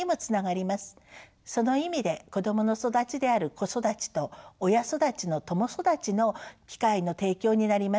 その意味で子どもの育ちである子育ちと親育ちの共育ちの機会の提供になります。